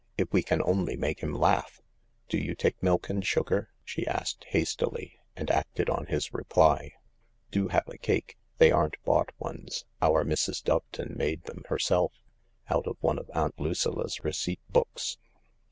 "If we can only make him laugh 1 ")" Do you take milk and sugar ?" she asked hastily, and acted on his reply, " Do have a cake. They aren't bought ones. Our Mrs. Doveton made them herself, out of one of Aunt Lucilla's receipt books."